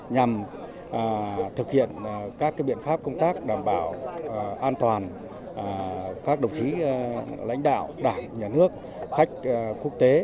nhằm thực hiện các biện pháp công tác đảm bảo an toàn các đồng chí lãnh đạo đảng nhà nước khách quốc tế